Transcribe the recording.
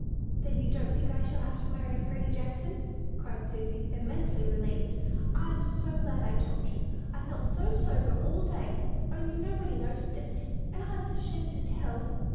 "Then you don't think I shall have to marry Freddy Jackson," cried Susy, immensely relieved. "I'm so glad I told you! I felt so sober all day, only nobody noticed it, and I was ashamed to tell!"